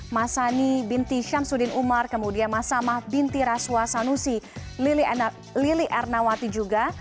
masani binti syamsuddin umar kemudian mas samah binti raswa sanusi lili ernawati juga